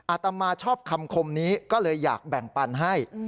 อาตมาชอบคำคมนี้ก็เลยอยากแบ่งปันให้